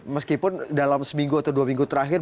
meskipun dalam seminggu atau dua minggu terakhir